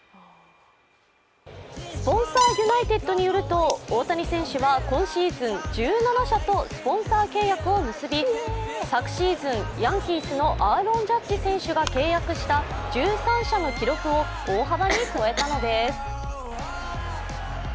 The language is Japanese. スポンサー・ユナイテッドによると大谷選手は今シーズン１７社とスポンサー契約を結び、昨シーズン、ヤンキースのアーロン・ジャッジ選手が契約した１３社の記録を大幅に超えたのです。